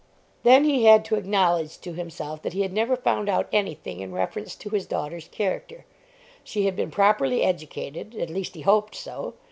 Then he had to acknowledge to himself that he had never found out anything in reference to his daughter's character. She had been properly educated; at least he hoped so.